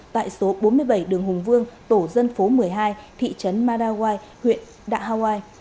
tại số bốn mươi bảy đường hùng vương tổ dân phố một mươi hai thị trấn madawai huyện đạo hawaii